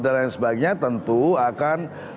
dan lain sebagainya tentu akan